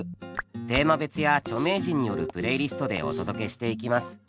テーマ別や著名人によるプレイリストでお届けしていきます。